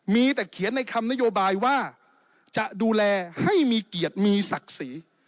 มีแต่เขียนในคำนโยบายว่าจะดูแลให้มีเกียรติมีศักดิ์ศรี